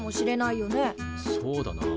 そうだな。